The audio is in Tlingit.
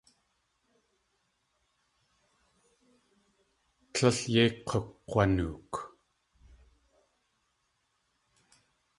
Tlél yéi k̲ukg̲wanook.